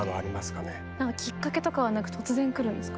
きっかけとかはなく突然来るんですか？